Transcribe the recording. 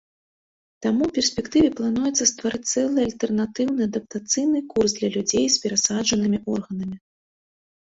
Таму ў перспектыве плануецца стварыць цэлы альтэрнатыўны адаптацыйны курс для людзей з перасаджанымі органамі.